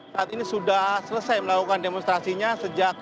saat ini sudah selesai melakukan demonstrasinya sejak